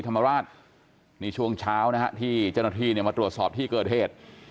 ธรรมราชนี่ช่วงเช้านะที่จนที่เนี่ยมาตรวจสอบที่เกิดเทศ